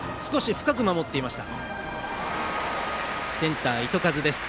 深く守っていました。